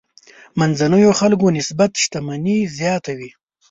منځنيو خلکو نسبت شتمني زیاته وي.